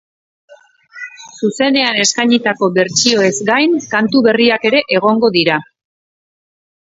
Zuzenean eskainitako bertsioez gain kantu berriak ere egongo dira.